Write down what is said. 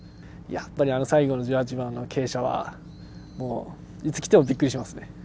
最後の１８番の傾斜は、いつ来てもびっくりします。